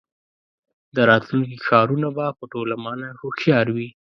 د راتلونکي ښارونه به په ټوله مانا هوښیار وي.